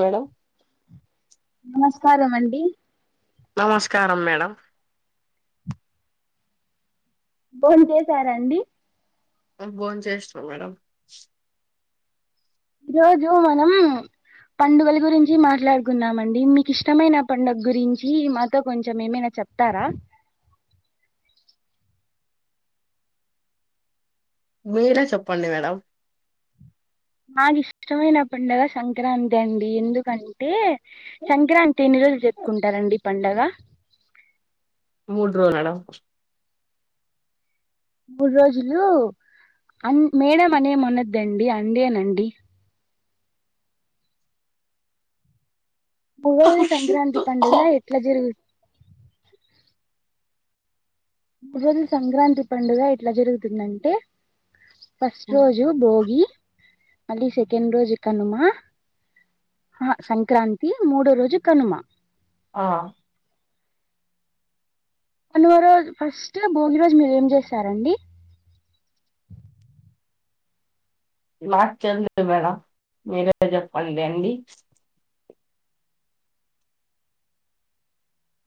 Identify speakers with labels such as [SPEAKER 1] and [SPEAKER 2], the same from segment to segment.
[SPEAKER 1] madam
[SPEAKER 2] నమస్కారం అండి
[SPEAKER 1] నమస్కారం మేడం
[SPEAKER 2] భోజన చేసారండి
[SPEAKER 1] బోన్ చేస్తాం మేడం
[SPEAKER 2] ఈ రోజు మనం పండుగల గురించి మాట్లాడుకున్నామండి, మీకు ఇష్టమైన పండుగ గురించి మాతో కొంచెం ఏమైనా చెప్తారా
[SPEAKER 1] మీర చెప్పండి మేడం
[SPEAKER 2] నాకుష్టమైన పడుగ సంక్రాంతి అండి, ఎందుకంటే సంక్రాంతి ఎన్ని రోజులు చెప్పుకుంటారండి ఈ పండగ
[SPEAKER 1] మూడు రోజులుడా
[SPEAKER 2] మూడు రోజులు అ మేడం అనే అనద్దండి అండినండి పువై సంక్రాంతి పండుగ ఎట్లా జరుగు ఈ రోజు సంక్రాంతి పండుగ ఇట్లా జరుగుతుందంటే ఫస్ట్ రోజు బోగి మళ్ళీ సెకండ్ రోజు కనుమ ఆ సంక్రాంతి మూడో రోజు కనుమ
[SPEAKER 1] ఆ
[SPEAKER 2] అనుమ రోజు ఫస్ట్ భోగి రోజు మీరు ఏం చేసారండి
[SPEAKER 1] మాట్ చదిలేదు మేడం మీరే చెప్పండి అండి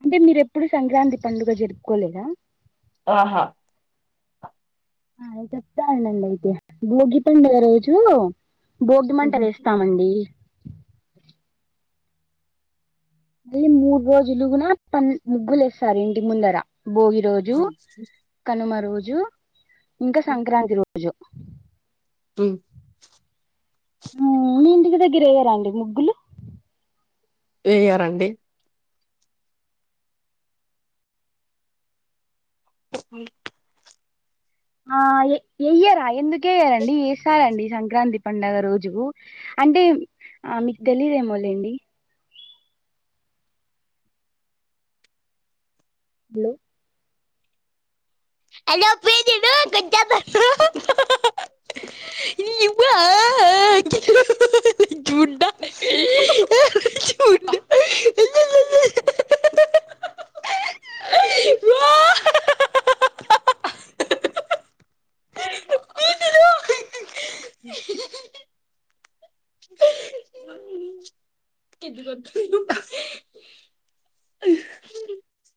[SPEAKER 2] అంటే మీర ఎప్పుడు సంక్రాంతి పండుగ జరుపుకోలేదా
[SPEAKER 1] ఆహా
[SPEAKER 2] అయితేత్తా ఆనంద అయితే భోగి పండుగ రోజు బోగి మంటలు వేస్తామండి అళ మూడు రోజులుగున ప ముగ్గులు వేస్తారు ఇంటి ముందర భోగి రోజు
[SPEAKER 1] ఉమ్
[SPEAKER 2] కనుమ రోజు జూ ఇంకా సంక్రాంతి రొ అయో
[SPEAKER 1] పి
[SPEAKER 2] ద్గరెయ్యరా అండి ముగ్గులు
[SPEAKER 1] వేయరండి అ
[SPEAKER 2] ఆ వెయ్యరా ఎందుకేయ్యారండి యేస్తారండి సంక్రాంతి పండుగ రోజు అంటే ఆ మీకు తెలిదేమొలేండి హలో
[SPEAKER 1] అ ప్రజ కొ ఇ గా ుడా ుడా